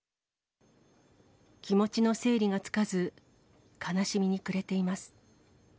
気持ちの整理がつかず、悲しみに暮れています。